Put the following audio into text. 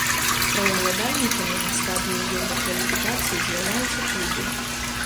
Праваўладальнікамі на стадыі еўракваліфікацыі з'яўляюцца клубы.